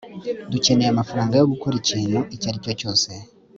dukeneye amafaranga yo gukora ikintu icyo ari cyo cyose